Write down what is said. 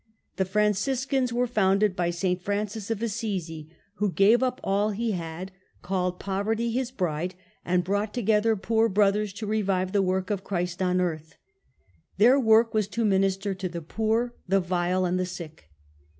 The Franciscans were founded by S. Francis of Assisi, who gave up all he had, called Poverty his * bride', and brought together poor brothers to revive the work of Christ on earth. Their work was to minister to the poor, the vile, and the sick.